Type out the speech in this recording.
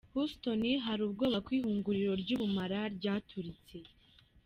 Houston: Hari ubwoba ko ihinguriro ry'ubumara ryaturitse.